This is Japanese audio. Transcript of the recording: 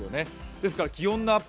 ですから気温のアップ